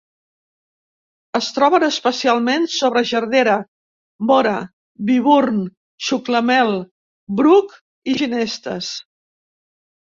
Es troben especialment sobre gerdera, móra, viburn, xuclamel, bruc i ginestes.